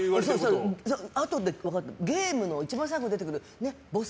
あとで分かってゲームの一番最後に出てくるボス